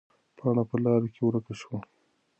پاڼه په لارو کې ورکه شوه.